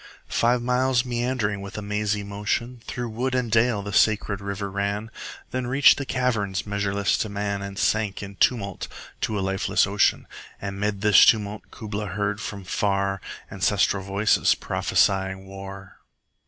Five miles meandering with a mazy motion 25 Through wood and dale the sacred river ran, Then reach'd the caverns measureless to man, And sank in tumult to a lifeless ocean: And 'mid this tumult Kubla heard from far Ancestral voices prophesying war!